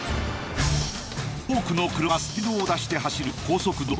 多くの車がスピードを出して走る高速道路。